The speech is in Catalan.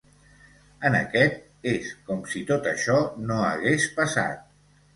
En aquest, és com si tot això no hagués passat.